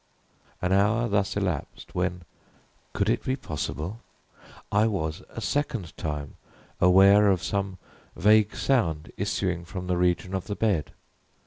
An hour thus elapsed, when (could it be possible?) I was a second time aware of some vague sound issuing from the region of the bed.